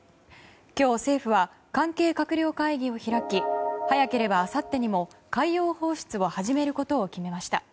今日、政府は関係閣僚会議を開き早ければあさってにも海洋放出を始めることを決めました。